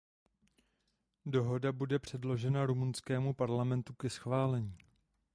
Dohoda bude předložena rumunskému parlamentu ke schválení.